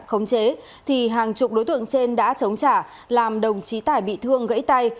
khống chế thì hàng chục đối tượng trên đã chống trả làm đồng chí tài bị thương gãy tay